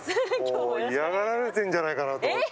嫌がられてるんじゃないかなと思って。